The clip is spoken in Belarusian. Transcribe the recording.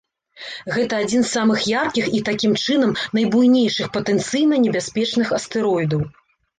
Гэта адзін з самых яркіх і, такім чынам, найбуйнейшых патэнцыйна небяспечных астэроідаў.